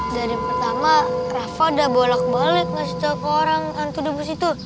dari pertama rafa udah bolak balik ngasih tau ke orang hantu debus itu